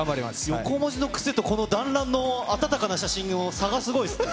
横文字の癖と、この団らんの温かな写真の差がすごいですね。